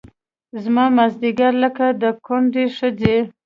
زما مازدیګر لکه د کونډې ښځې